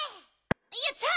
よっしゃ！